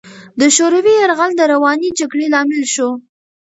د شوروي یرغل د روانې جګړې لامل شو.